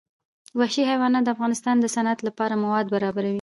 وحشي حیوانات د افغانستان د صنعت لپاره مواد برابروي.